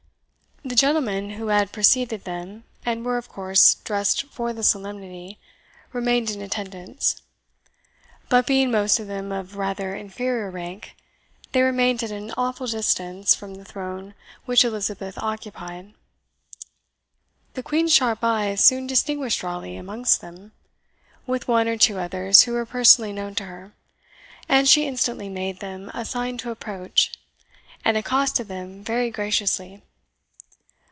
The gentlemen who had preceded them, and were, of course, dressed for the solemnity, remained in attendance. But being most of them of rather inferior rank, they remained at an awful distance from the throne which Elizabeth occupied. The Queen's sharp eye soon distinguished Raleigh amongst them, with one or two others who were personally known to her, and she instantly made them a sign to approach, and accosted them very graciously.